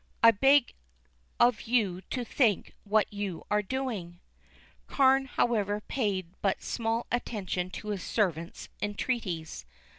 I beg of you to think what you are doing." Carne, however, paid but small attention to his servant's entreaties.